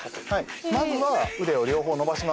まずは腕を両方伸ばします。